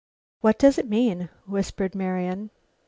"What does it mean?" whispered Marian.